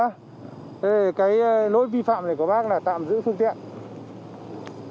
thế cái lỗi vi phạm này của bác là tạm giữ phương tiện